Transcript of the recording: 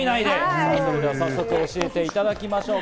それでは早速教えていただきましょう！